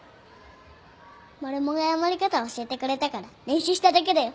マルモが謝り方教えてくれたから練習しただけだよ。